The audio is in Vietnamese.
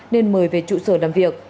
nên mời về trụ sở làm việc